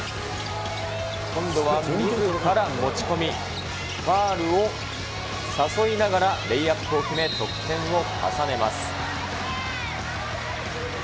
今度はみずから持ち込み、ファウルを誘いながらレイアップを決め、得点を重ねます。